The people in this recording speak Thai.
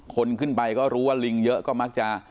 คนขึ้นไปก็รู้ว่าลิงเยอะก็มักจะ